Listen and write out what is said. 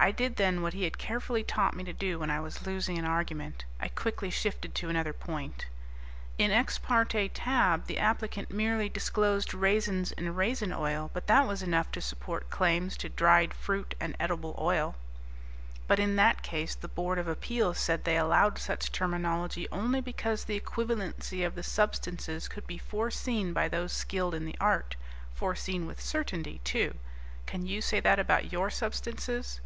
I did then what he had carefully taught me to do when I was losing an argument: I quickly shifted to another point. "In Ex parte Tabb the applicant merely disclosed raisins and raisin oil, but that was enough to support claims to 'dried fruit' and 'edible oil'." "But in that case the Board of Appeals said they allowed such terminology only because the equivalency of the substances could be foreseen by those skilled in the art, foreseen with certainty, too. Can you say that about your substances?"